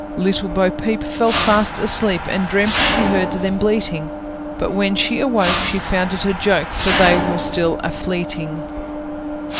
Little Bo peep fell fast asleep, And dreamt she heard them bleating; But when she awoke, she found it a joke, For they were still a fleeting.